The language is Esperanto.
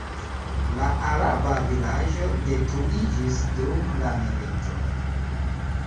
La araba vilaĝo detruiĝis dum la milito.